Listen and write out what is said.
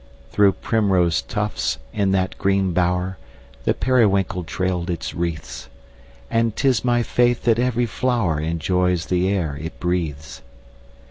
Through primrose tufts, in that green bower, The periwinkle trailed its wreaths; And 'tis my faith that every flower Enjoys the air it breathes.